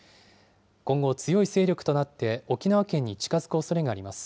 今後、強い勢力となって沖縄県に近づくおそれがあります。